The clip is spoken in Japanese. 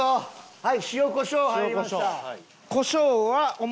はい。